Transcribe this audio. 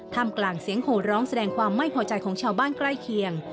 กลางเสียงโหร้องแสดงความไม่พอใจของชาวบ้านใกล้เคียง